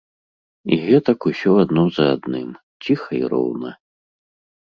І гэтак усё адно за адным, ціха і роўна.